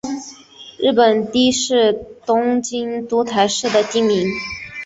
日本堤是东京都台东区的町名。